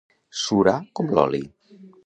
Surar com l'oli.